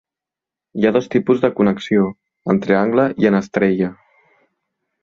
Hi ha dos tipus de connexió, en triangle i en estrella.